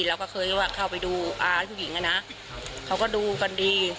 เราก็เคยว่าเข้าไปดูอาผู้หญิงนะเขาก็ดูกันดี